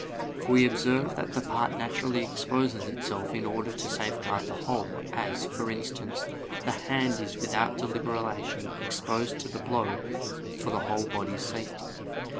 For we observe that the part naturally exposes itself in order to safeguard the whole; as, for instance, the hand is without deliberation exposed to the blow for the whole body's safety.